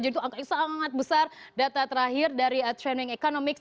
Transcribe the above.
jadi itu angka yang sangat besar data terakhir dari trending economics